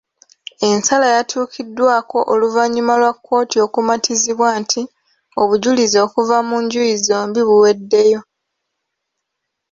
Ensala yatuukiddwaako oluvannyuma lwa kkooti okumatizibwa nti obujulizi okuva ku njuyi zombi buweddeyo.